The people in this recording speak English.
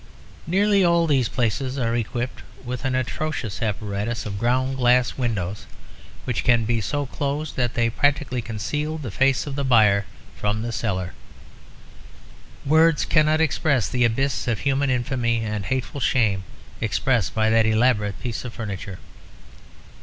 Nearly all these places are equipped with an atrocious apparatus of ground glass windows which can be so closed that they practically conceal the face of the buyer from the seller. Words cannot express the abysses of human infamy and hateful shame expressed by that elaborate piece of furniture.